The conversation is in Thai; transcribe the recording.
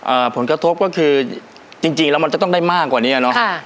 ผลกระทบก็คือจริงจริงแล้วมันจะต้องได้มากกว่าเนี้ยเนอะค่ะ